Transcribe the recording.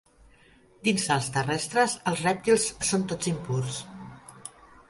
Dins dels terrestres, els rèptils són tots impurs.